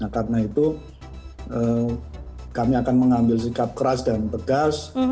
karena itu kami akan mengambil sikap keras dan tegas